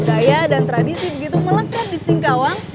tak heran budaya dan tradisi begitu melekat di singkawang